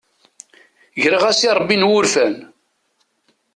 Greɣ-as irebbi n wurfan.